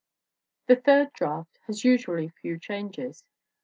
The third draft has usually few changes.